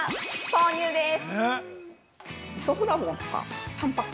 豆乳です。